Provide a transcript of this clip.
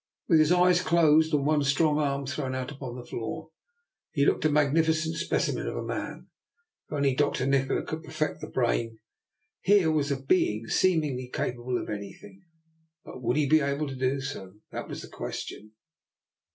With his eyes closed and one strdng arm thrown out upon the floor, he looked a magnificent specimen of a man. If only Dr. Nikola could perfect the brain, here was a being seemingly capable of anything. But would he be able to do so? that was the ques tion.